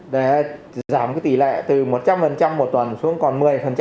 để giảm tỷ lệ từ một trăm linh một tuần xuống còn một mươi